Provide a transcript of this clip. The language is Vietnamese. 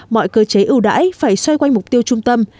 mọi cơ chế ưu đãi phải xoay quanh mục tiêu trung tâm